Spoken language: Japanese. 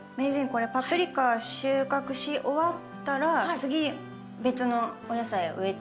これパプリカ収穫し終わったら次別のお野菜を植えていいんですか？